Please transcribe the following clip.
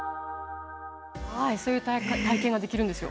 そういう体験ができるんですよ。